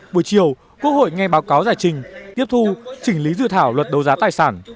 buổi chiều quốc hội nghe báo cáo giải trình tiếp thu chỉnh lý dự thảo luật đấu giá tài sản